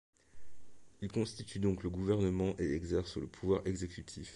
Il constitue donc le gouvernement et exerce le pouvoir exécutif.